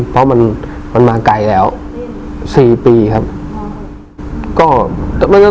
เพราะมันมันมาไกลแล้ว๔ปีครับ